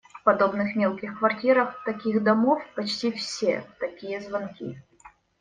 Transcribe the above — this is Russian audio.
В подобных мелких квартирах таких домов почти всё такие звонки.